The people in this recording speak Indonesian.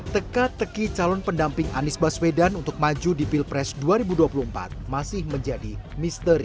teka teki calon pendamping anies baswedan untuk maju di pilpres dua ribu dua puluh empat masih menjadi misteri